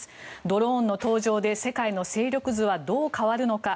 ドローンの登場で世界の勢力図はどう変わるのか。